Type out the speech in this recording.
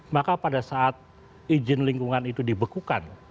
maka pada saat izin lingkungan itu dibekukan